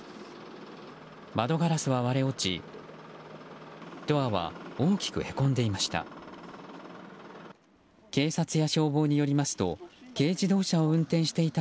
窓ガラスは割れ落ちドアは大きくへこんでいました。